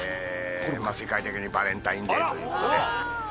まあ世界的にバレンタインデーという事で。